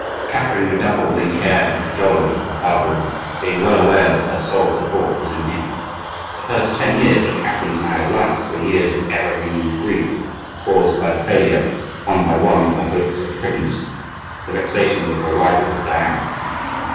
Catherine redoubled in care and cajolery of her father in law, being well aware that her sole support was in him. The first ten years of Catherine's married life were years of ever renewed grief, caused by the failure, one by one, of her hopes of pregnancy, and the vexations of her rivalry with Diane.